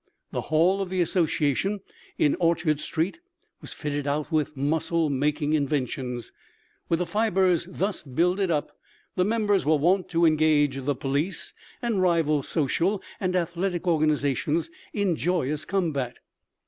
The hall of the association in Orchard street was fitted out with muscle making inventions. With the fibres thus builded up the members were wont to engage the police and rival social and athletic organisations in joyous combat.